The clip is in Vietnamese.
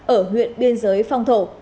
ở huyện biên giới phong thổ